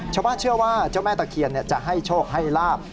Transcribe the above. ชาวบ้านเชื่อว่าเจ้าแม่ตะเคียนจะให้โชคให้ลาบ